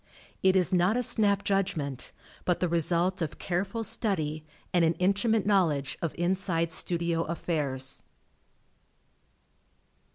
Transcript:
It is not a snap judgment, but the result of careful study and an intimate knowledge of inside studio affairs.